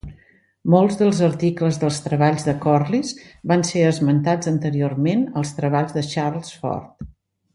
Molts dels articles dels treballs de Corliss van ser esmentats anteriorment als treballs de Charles Fort.